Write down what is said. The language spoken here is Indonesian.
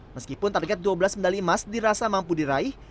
meskipun target dua belas medali emas dirasa mampu diraih